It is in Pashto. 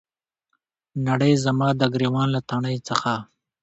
نړۍ زما د ګریوان له تڼۍ څخه